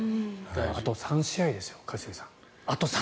あと３試合ですよ一茂さん。